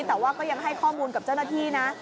แต่ว่าก็ยังให้ข้อมูลกับเจ้าหน้าที่นะ